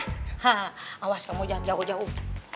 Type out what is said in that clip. hah awas kamu jangan jauh jauh